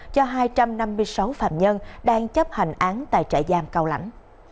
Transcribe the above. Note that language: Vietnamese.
cho hai trăm năm mươi sáu phạm nhân đang chấp hành án tại trại giam cao lãnh